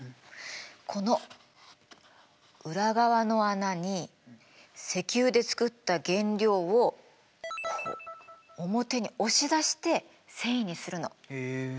この裏側の穴に石油で作った原料をこう表に押し出して繊維にするの。